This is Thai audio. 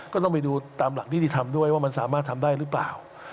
ก็ต้องไปดูตามหลักนิติธรรมด้วยว่ามันสามารถทำได้หรือเปล่า